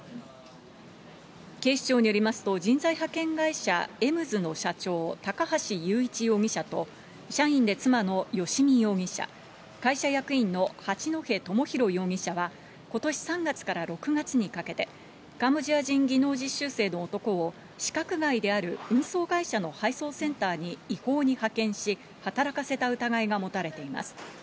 警視庁によりますと、人材派遣会社、エムズの社長、高橋裕一容疑者と、社員で妻のよしみ容疑者、会社役員の八戸智博容疑者は、ことし３月から６月にかけて、カンボジア人技能実習生の男を資格外である運送会社の配送センターに違法に派遣し、働かせた疑いが持たれています。